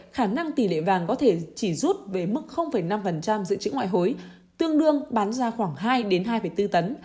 khả năng tỷ lệ vàng có thể chỉ rút về mức năm dự trữ ngoại hối tương đương bán ra khoảng hai hai bốn tấn